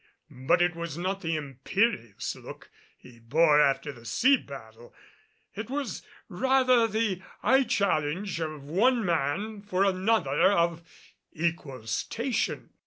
But it was not the imperious look he bore after the sea battle; it was rather the eye challenge of one man for another of equal station.